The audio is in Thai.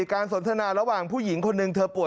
การสนทนาระหว่างผู้หญิงคนหนึ่งเธอป่วย